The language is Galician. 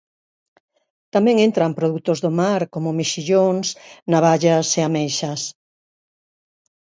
Tamén entran produtos do mar como mexillóns, navallas e ameixas.